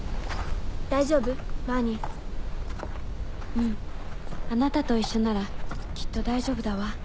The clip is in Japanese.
うんあなたと一緒ならきっと大丈夫だわ。